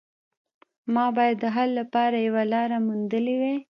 ما باید د حل لپاره یوه لاره موندلې وای